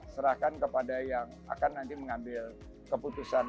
serahkan kepada yang akan nanti mengambil keputusan